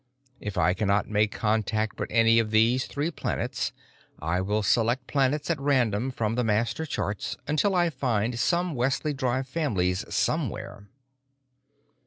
If I cannot make contact with any of these three planets, I will select planets at random from the master charts until I find some Wesley Drive families somewhere.